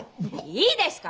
いいですか？